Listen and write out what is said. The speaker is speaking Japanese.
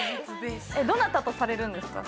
どなたとされるんですか？